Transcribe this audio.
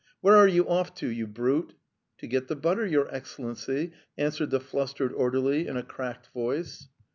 "Where are you off to, you brute?" "To get the butter, Your Excellency," answered the flustered orderly in a cracked voice.